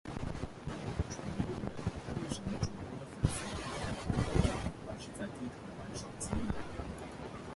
纯路人，为什么主播的粉丝不抬头鼓掌而是在低头玩手机呢？